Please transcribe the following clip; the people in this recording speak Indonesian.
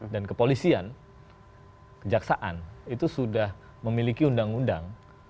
dan kepolisian kejaksaan itu sudah memiliki undang undang